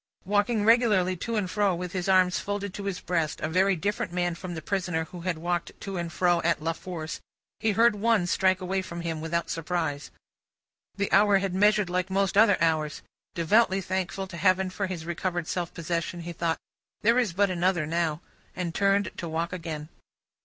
Walking regularly to and fro with his arms folded on his breast, a very different man from the prisoner, who had walked to and fro at La Force, he heard One struck away from him, without surprise. The hour had measured like most other hours. Devoutly thankful to Heaven for his recovered self possession, he thought, "There is but another now," and turned to walk again.